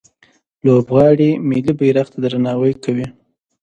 لوبغاړي ملي بیرغ ته درناوی کوي.